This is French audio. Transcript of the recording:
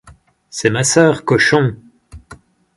C’est ma sœur, cochon !…